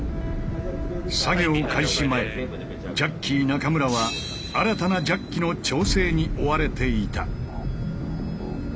作業開始前ジャッキー中村は新たなジャッキの調整に追われていた。